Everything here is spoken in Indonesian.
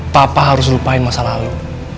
papa harus lupain masa lalu